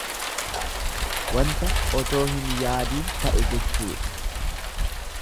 Wanta otoo hin yaadiin ta'e jechuudha.